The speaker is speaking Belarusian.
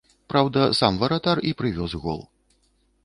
Праўда, сам варатар і прывёз гол.